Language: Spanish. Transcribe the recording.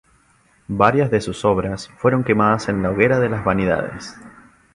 Varias de sus obras fueron quemadas en la hoguera de las vanidades.